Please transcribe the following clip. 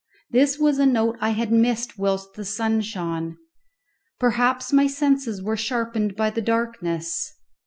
This was a note I had missed whilst the sun shone. Perhaps my senses were sharpened by the darkness.